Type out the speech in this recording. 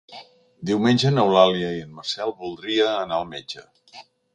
Diumenge n'Eulàlia i en Marcel voldria anar al metge.